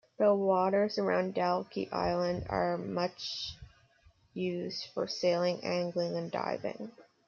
The waters around Dalkey Island are much used for sailing, angling and diving.